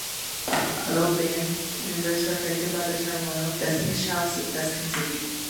Although band members were affected by the turmoil, Destiny's Child's success continued.